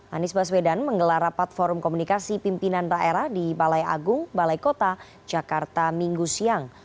anies baswedan menggelar rapat forum komunikasi pimpinan daerah di balai agung balai kota jakarta minggu siang